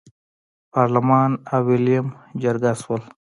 پارلمان او ویلیم جرګه شول.